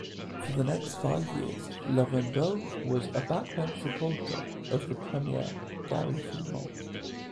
For the next five years, Laurendeau was a backbench supporter of Premier Gary Filmon.